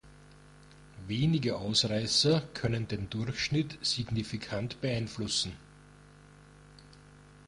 Wenige Ausreißer können den Durchschnitt signifikant beeinflussen.